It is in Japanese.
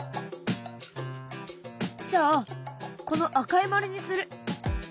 じゃあこの赤い丸にする。